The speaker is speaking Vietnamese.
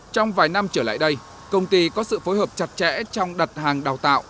trong vài năm trở lại đây công ty có sự phối hợp chặt chẽ trong đặt hàng đào tạo